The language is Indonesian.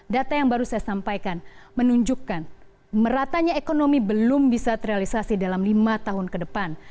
data yang baru saya sampaikan menunjukkan meratanya ekonomi belum bisa terrealisasi dalam lima tahun ke depan